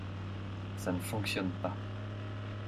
Ça ne fonctionne pas.